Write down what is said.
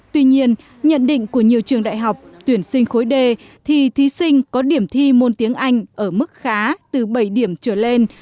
tuy nhiên nhận định của nhiều trường đại học tuyển sinh khối d thì thí sinh có điểm thi môn tiếng anh ở mức khá từ bảy điểm trở lên